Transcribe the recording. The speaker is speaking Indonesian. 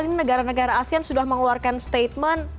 ini negara negara asean sudah mengeluarkan statement